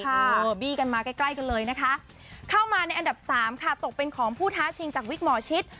บี้กันมาใกล้ใกล้กันเลยนะคะเข้ามาในอันดับสามค่ะตกเป็นของผู้ท้าชิงจากวิกหมอชิต